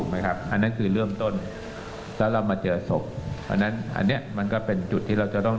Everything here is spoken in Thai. เพราะฉะนั้นอันนี้มันก็เป็นจุดที่เราจะต้อง